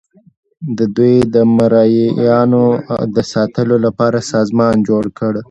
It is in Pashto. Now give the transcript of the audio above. دوی د مرئیانو د ساتلو لپاره سازمان جوړ کړ.